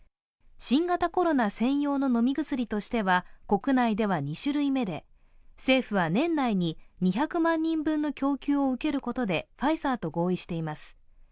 新型コロナ専用の飲み薬としては国内では２種類目で政府は年内に２００万人分の供給を受けることでファイザーと合意しています。